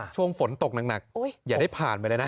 ช่วงฝนตกหนักอย่าได้ผ่านไปเลยนะ